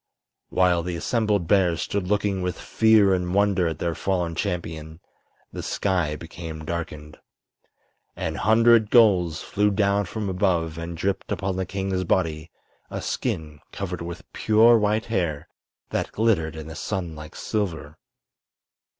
While the assembled bears stood looking with fear and wonder at their fallen champion the sky became darkened. An hundred gulls flew down from above and dripped upon the king's body a skin covered with pure white hair that glittered in the sun like silver.